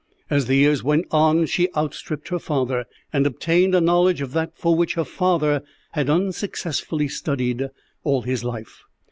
As the years went on she outstripped her father, and obtained a knowledge of that for which her father had unsuccessfully studied all his life.